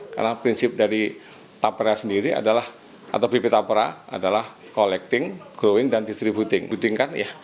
karena prinsip dari bp tapera adalah collecting growing dan distributing